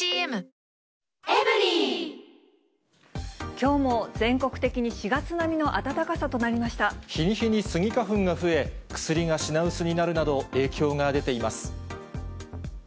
きょうも全国的に４月並みの日に日にスギ花粉が増え、薬が品薄になるなど、影響が出ています。